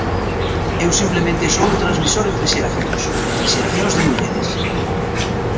Eu simplemente son un transmisor entre xeracións, entre xeracións de mulleres.